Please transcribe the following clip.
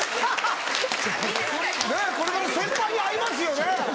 ねぇこれから先輩に会いますよね。